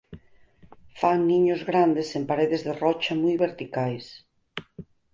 Fan niños grandes en paredes de rocha moi verticais.